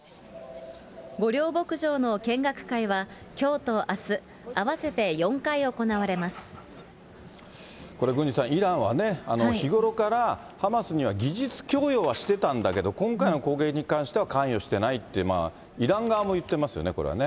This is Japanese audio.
御料牧場の見学会は、きょうとあす、これ、郡司さん、イランはね、日ごろからハマスには技術供与はしてたんだけど、今回の攻撃に関しては関与していないって、イラン側も言ってますよね、これはね。